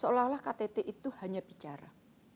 setelah ktt itu hanya bicara